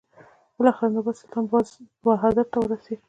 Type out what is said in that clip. بالاخره نوبت سلطان باز بهادر ته ورسېد.